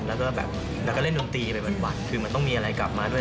แล้วก็แบบแล้วก็เล่นดนตรีไปวันคือมันต้องมีอะไรกลับมาด้วย